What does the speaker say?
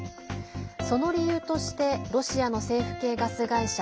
その理由としてロシアの政府系ガス会社